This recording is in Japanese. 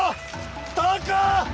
高っ！